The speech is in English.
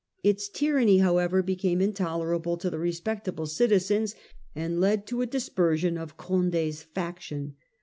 Its tyranny however became intolerable to the respectable citizens, and led to a dispersion of Condc's faction.